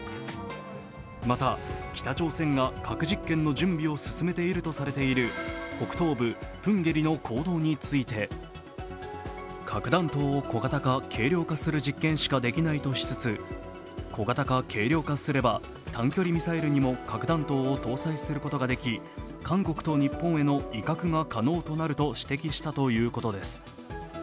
また、北朝鮮が核実験の準備を進めているとされる北東部プンゲリの坑道について、核弾頭を小型化・軽量化する実験しかできないとしつつ小型化・軽量化すれば短距離ミサイルにも核弾頭を搭載することができ韓国と日本への威嚇が可能となると指摘したということです。